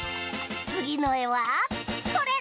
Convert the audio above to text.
つぎのえはこれ！